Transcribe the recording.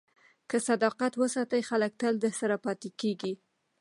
که صداقت وساتې، خلک تل درسره پاتې کېږي.